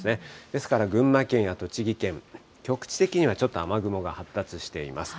ですから、群馬県や栃木県、局地的にはちょっと雨雲が発達しています。